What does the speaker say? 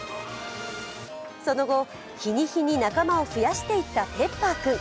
その後、日に日に仲間を増やしていったＰｅｐｐｅｒ君。